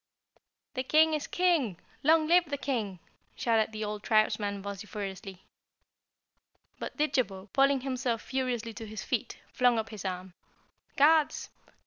"The King is King! Long live the King!" shouted the old tribesman vociferously. But Didjabo pulling himself furiously to his feet, flung up his arm. "Guards!